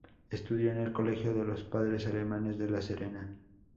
Estudió en el Colegio de los Padres Alemanes de la Serena.